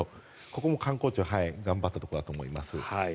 ここも観光庁が頑張ったところだと思います。